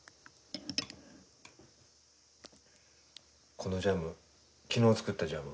このジャム昨日作ったジャム？